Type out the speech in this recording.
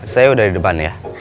saya udah di depan ya